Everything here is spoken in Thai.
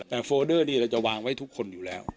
แต่โฟเดอร์นี้เราจะวางไว้ทุกคนอยู่แล้ว